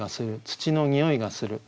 土のにおいがする。